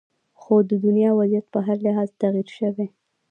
خو د دنیا وضعیت په هر لحاظ تغیر شوې